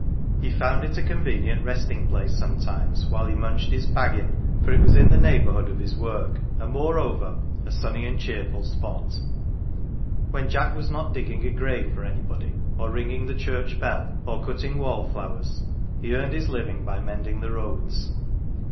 He found it a convenient resting place sometimes while he munched his " baggin 1 ,"" for it was in the neigh 119 "THE GILLY F'ERS" bourhood of his work, and moreover a sunny and cheerful spot. When Jack was not digging a grave for anybody, or ringing the church bell, or cutting wall flowers, he earned his living by mending the roads.